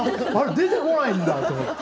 出てこないんだと思って。